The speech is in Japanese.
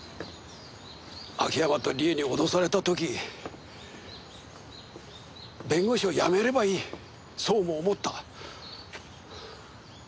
秋山と理恵に脅された時弁護士を辞めればいいそうも思った。